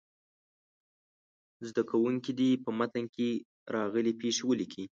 زده کوونکي دې په متن کې راغلې پيښې ولیکي.